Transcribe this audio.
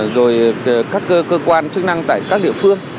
rồi các cơ quan chức năng tại các địa phương